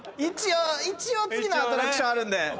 一応次のアトラクションあるんで。